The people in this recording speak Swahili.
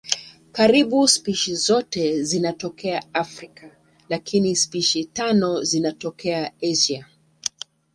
Karibu spishi zote zinatokea Afrika lakini spishi tano zinatokea Asia.